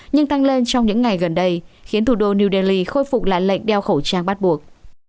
nhưng tăng lên trong những ngày gần đây khiến thủ đô new delhi khôi phục lại lệnh đeo khẩu trang bắt buộc